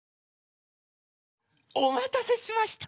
おまたせしました。